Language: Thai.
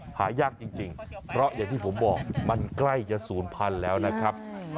หายากจริงเพราะอย่างที่ผมบอกมันใกล้จะศูนย์พันธุ์แล้วนะครับ